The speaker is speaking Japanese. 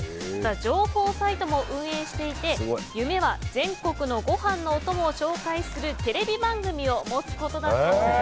情報サイトも運営していて夢は全国のご飯のお供を紹介するテレビ番組を持つことだそうです。